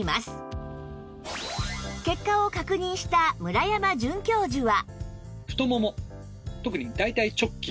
結果を確認した村山准教授は